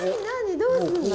どうすんの？